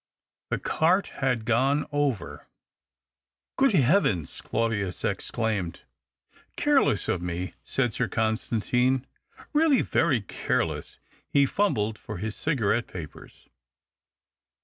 The cart had gone over. " Good heavens !" Claudius exclaimed. "Careless of me," said Sir Constantine. "Really, very careless." He fumhled for his cigarette papers.